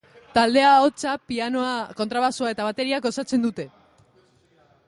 Taldea ahotsa, pianoa, kontrabaxua eta bateriak osatzen dute.